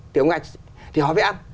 tiểu ngạch thì họ phải ăn